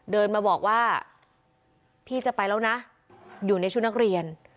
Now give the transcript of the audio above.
เดินมาบอกว่าพี่จะไปแล้วนะอยู่ในชุดนักเรียน